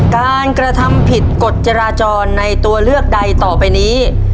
การกระทำผิดกฎจราจรในตัวเลือกใดต่อไปนี้